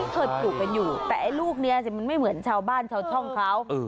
เคยปลูกกันอยู่แต่ไอ้ลูกนี้สิมันไม่เหมือนชาวบ้านชาวช่องเขา